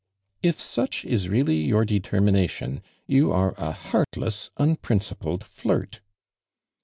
' "If such is really your determination, you are a heartless, unprincipled flirt."